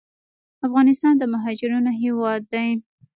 افغانستان د مهاجرینو هیواد دی